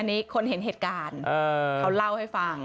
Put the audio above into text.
อันนี้คนเห็นเหตุการณ์เขาเล่าให้ฟัง